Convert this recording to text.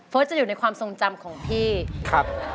จะอยู่ในความทรงจำของพี่ครับ